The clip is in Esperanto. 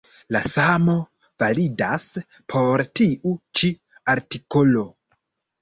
La samo validas por tiu ĉi artikolo.